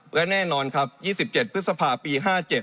และแน่นอนครับ๒๗พฤษภาปี๕๗